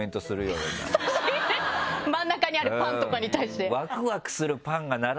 真ん中にあるパンとかに対して？